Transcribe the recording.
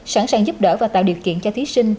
sẵn sàng giúp đỡ và tạo điều kiện cho thí sinh